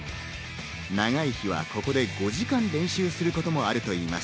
長い日はここで５時間練習することもあるといいます。